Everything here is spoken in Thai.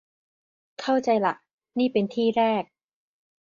เข้าใจล่ะ นี่เป็นที่แรก